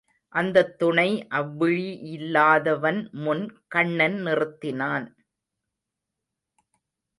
அந்தத் துணை அவ்விழியில்லாதவன் முன் கண்ணன் நிறுத்தினான்.